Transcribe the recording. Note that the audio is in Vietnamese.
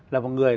là một người